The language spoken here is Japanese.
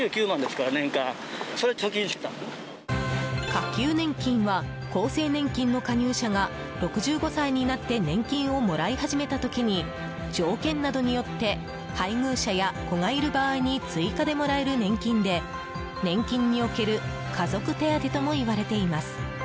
加給年金は厚生年金の加入者が６５歳になって年金をもらい始めた時に条件などによって配偶者や子がいる場合に追加でもらえる年金で年金における家族手当ともいわれています。